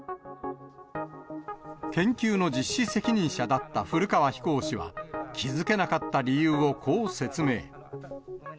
研究の実施責任者だった古川飛行士は、気付けなかった理由をこう説明。